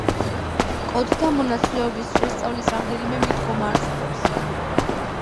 კოდთა მონაცვლეობის შესწავლის რამდენიმე მიდგომა არსებობს.